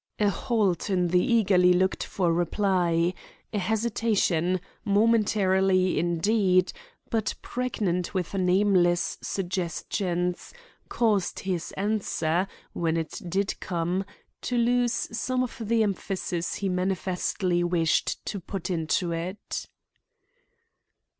A halt in the eagerly looked for reply; a hesitation, momentary indeed, but pregnant with nameless suggestions, caused his answer, when it did come, to lose some of the emphasis he manifestly wished to put into it.